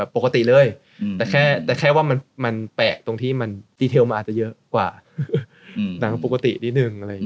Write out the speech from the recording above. ปกติเลยแต่แค่ว่ามันแปลกตรงที่มันอาจจะเยอะกว่าหนังปกติดินึง